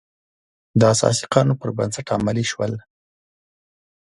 د اساسي قانون پر بنسټ عملي شول.